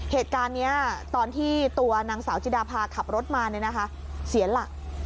เหตุการณ์นี้ตอนที่ตัวนางสาวจีดาพาสขับรถมาเนี่ยนะคะเสียแล้ว